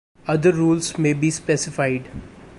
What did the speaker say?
Other rules may be specified.